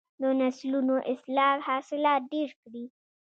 د نسلونو اصلاح حاصلات ډیر کړي.